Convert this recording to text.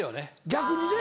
逆にね。